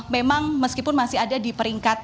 memang meskipun masih ada di peringkat